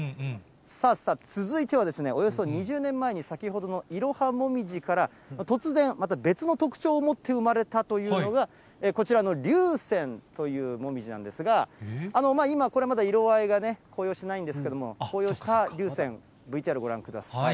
さあさあ、続いてはおよそ２０年前に先ほどのイロハモミジから、突然、また別の特徴を持って生まれたというのが、こちらの流泉というもみじなんですが、今、これまだ色合いが紅葉していないんですけれども、紅葉した流泉、ＶＴＲご覧ください。